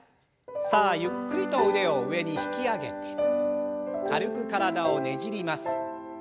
さあゆっくりと腕を上に引き上げて軽く体をねじります。